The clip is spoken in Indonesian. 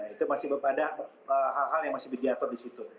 itu masih ada hal hal yang masih diatur di situ